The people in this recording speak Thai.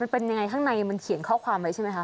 เป็นยังไงข้างในมันเขียนข้อความไว้ใช่ไหมคะ